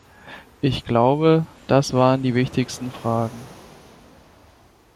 Ich glaube, das waren die wichtigsten Fragen.